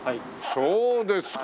そうですか。